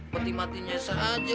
peti matinya saja